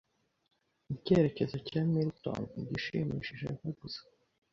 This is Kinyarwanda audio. Icyerekezo cya Milton Igishimishije Eva gusa